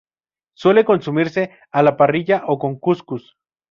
Suele consumirse a la parrilla o con cuscús.